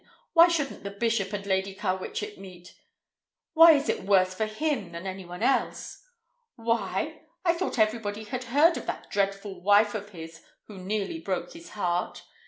Why shouldn't the bishop and Lady Carwitchet meet? Why is it worse for him than anyone else?" "Why? I thought everybody had heard of that dreadful wife of his who nearly broke his heart.